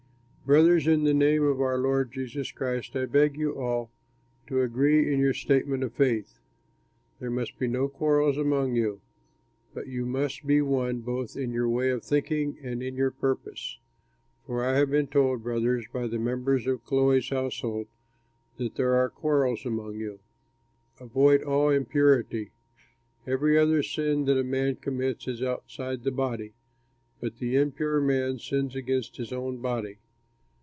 Brothers, in the name of our Lord Jesus Christ I beg of you all to agree in your statement of faith. There must be no quarrels among you, but you must be one both in your way of thinking and in your purpose. For I have been told, brothers, by the members of Chloe's household, that there are quarrels among you. Avoid all impurity! Every other sin that a man commits is outside the body, but the impure man sins against his own body.